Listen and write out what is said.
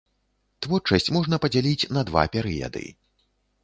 Творчасць можна падзяліць на два перыяды.